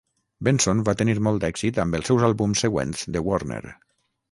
Benson va tenir molt èxit amb els seus àlbums següents de Warner.